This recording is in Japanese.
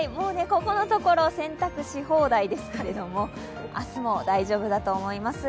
ここのところ、洗濯し放題ですけれども、明日も大丈夫だと思います。